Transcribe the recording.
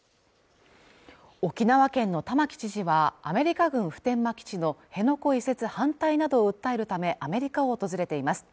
沖縄県の玉城知事は、アメリカ軍普天間基地の辺野古移設反対などを訴えるため、アメリカを訪れています。